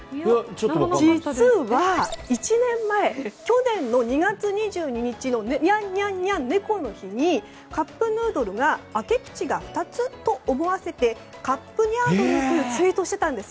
実は１年前去年の２月２２日の猫の日にカップヌードルが開け口が二つと？と思わせて、カップニャードルってツイートしていたんです。